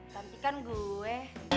cantik kan gue